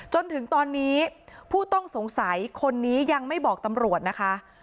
จนถึงตอนนี้ผู้ต้องสงสัยคนนี้ยังไม่บอกตำรวจนะคะ